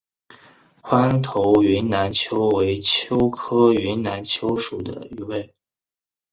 宽头云南鳅为鳅科云南鳅属的鱼类。